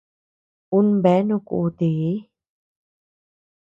Un bea no kútii.